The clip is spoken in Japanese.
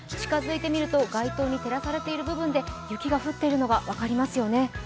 近づいてみると、街頭に照らされている部分で雪が降っているのが分かりますよね。